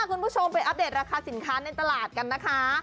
คุณผู้ชมไปอัปเดตราคาสินค้าในตลาดกันนะคะ